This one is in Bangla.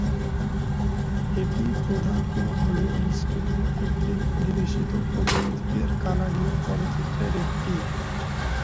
এটি প্রধান কোন হলিউড স্টুডিও কর্তৃক পরিবেশিত প্রথমদিকের কানাডীয় চলচ্চিত্রের একটি।